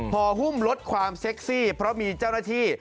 พอหุ้มลดความเซ็กซี่เพราะมีเจ้าหน้าที่